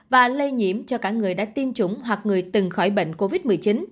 và lây nhiễm cho cả người đã tiêm chủng hoặc người từng khỏi bệnh covid một mươi chín